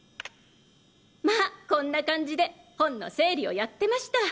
まぁこんな感じで本の整理をやってました！